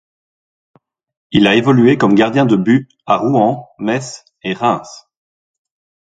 Il a évolué comme gardien de but à Rouen, Metz et Reims.